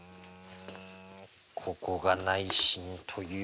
ここが内心ということは。